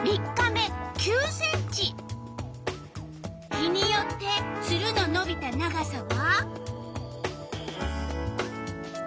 日によってツルののびた長さは？